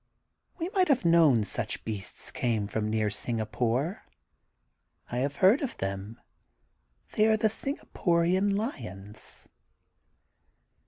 We might have known such beasts came from near Singapore. I have heard of them. They are the Singaporian Kons.